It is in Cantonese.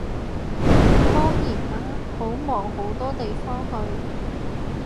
當然啦，好忙好多地方去